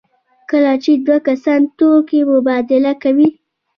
کله چې دوه کسان توکي مبادله کوي.